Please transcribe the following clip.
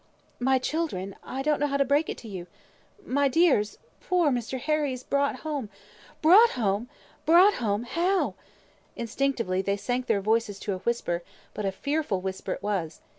"My children! I don't know how to break it to you. My dears, poor Mr. Harry is brought home " "Brought home brought home how?" Instinctively they sank their voices to a whisper; but a fearful whisper it was.